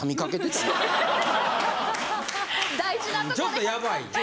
ちょっとヤバい。